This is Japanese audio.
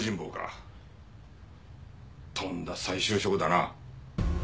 とんだ再就職だな。